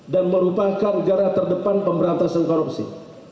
dan merupakan negara terdepan pemberantasan korupsi